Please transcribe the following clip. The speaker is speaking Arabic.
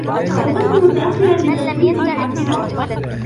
وصلت متأخّرًا لتفويتي الحافلة.